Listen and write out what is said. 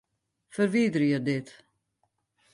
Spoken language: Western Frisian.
Ferwiderje dit.